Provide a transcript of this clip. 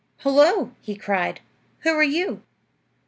"Hullo!" he cried; "who are you?"